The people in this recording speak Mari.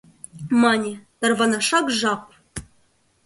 Мане: «Тарванашак жап!»